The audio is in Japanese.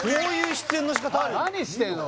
何してんの？